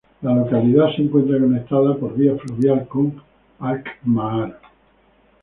La localidad se encuentra conectada por vía fluvial con Alkmaar.